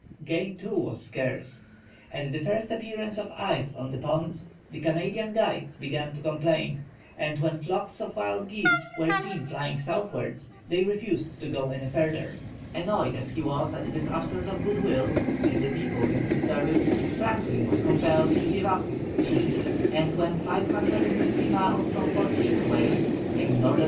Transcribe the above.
Game too was scarce. At the first appearance of ice on the ponds the Canadian guides began to complain; and when flocks of wild geese were seen flying southwards they refused to go any further. Annoyed as he was at this absence of good will in the people in his service, Franklin was compelled to give up his schemes, and when 550 miles from Fort Chippeway, in N.